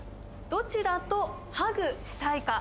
どちらとハグしたいか？